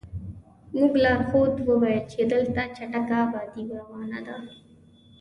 زموږ لارښود وویل چې دلته چټکه ابادي روانه ده.